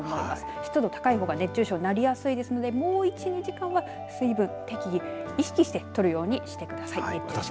湿度が高いほうが熱中症になりやすいですのでもう１２時間は水分を適宜、意識してとるようにしてください。